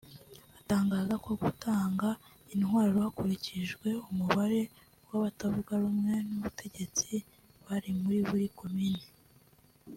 Atangaza ko gutanga intwaro hakurikijwe umubare w’abatavuga rumwe n’ubutegetsi bari muri buri komini